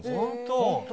本当？